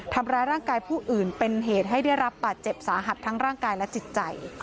ทำร้ายร่างกายผู้อื่นเป็นเหตุให้ได้รับบาดเจ็บสาหัสทั้งร่างกายและจิตใจ